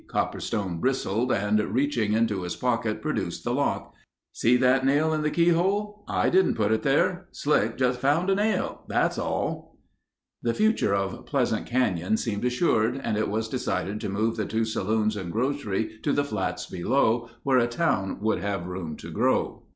Copperstain bristled, and reaching into his pocket, produced the lock. "See that nail in the keyhole? I didn't put it there. Slick just found a nail—that's all." The future of Pleasant Canyon seemed assured and it was decided to move the two saloons and grocery to the flats below, where a town would have room to grow.